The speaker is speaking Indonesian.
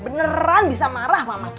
beneran bisa marah mama tuh